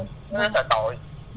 nó rất là tội